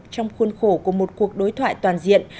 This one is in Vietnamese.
trong khuôn khổ của một cuộc đối thoại toàn diện